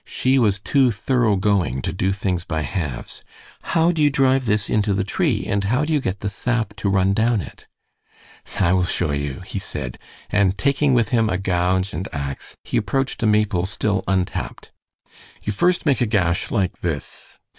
She was too thoroughgoing to do things by halves. "How do you drive this into the tree, and how do you get the sap to run down it?" "I will show you," he said, and taking with him a gouge and ax, he approached a maple still untapped. "You first make a gash like this."